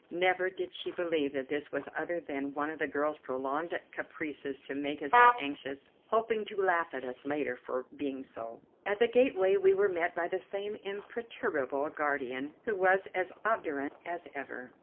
Never did she believe that this was other than one of the girl's prolonged caprices to make us all anxious, hoping to laugh at us later on for being so. At the gateway we were met by the same imperturbable guardian, who was as obdurate as ever.